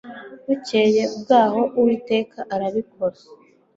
bukeye bwaho uwiteka arabikora